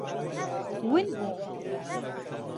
ون بووم.